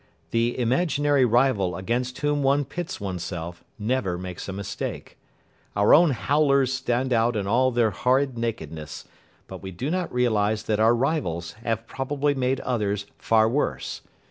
The imaginary rival against whom one pits oneself never makes a mistake. Our own "howlers" stand out in all their horrid nakedness; but we do not realise that our rivals have probably made others far worse.